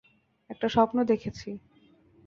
একটা স্বপ্ন দেখেছি।